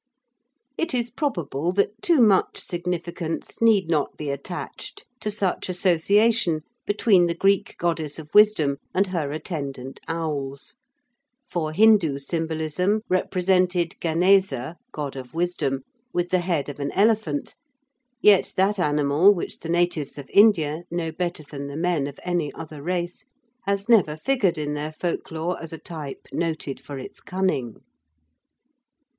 It is probable that too much significance need not be attached to such association between the Greek goddess of wisdom and her attendant owls, for Hindu symbolism represented Ganesa, god of wisdom, with the head of an elephant, yet that animal, which the natives of India know better than the men of any other race, has never figured in their folklore as a type noted for its cunning.